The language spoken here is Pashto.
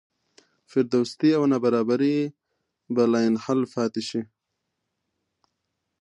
فرودستي او نابرابري به لاینحل پاتې شي.